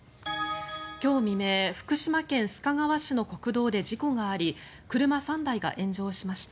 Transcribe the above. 今日未明、福島県須賀川市の国道で事故があり車３台が炎上しました。